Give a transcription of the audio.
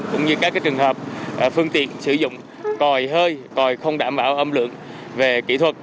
cũng như các trường hợp phương tiện sử dụng tòi hơi còi không đảm bảo âm lượng về kỹ thuật